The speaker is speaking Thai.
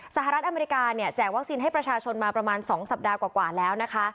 สหรัฐอเมริกาเนี่ยแจกวัคซีนให้ประชาชนมาประมาณ๒สัปดาห์กว่าแล้วนะคะ